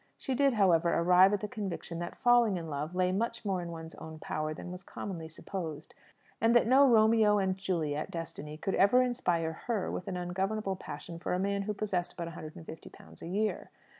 She did, however, arrive at the conviction that falling in love lay much more in one's own power than was commonly supposed; and that no Romeo and Juliet destiny could ever inspire her with an ungovernable passion for a man who possessed but a hundred and fifty pounds a year.